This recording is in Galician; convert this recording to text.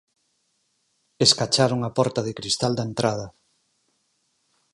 Escacharon a porta de cristal da entrada.